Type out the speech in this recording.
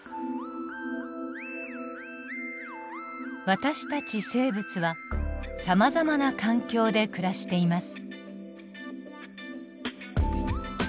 私たち生物はさまざまな環境で暮らしています。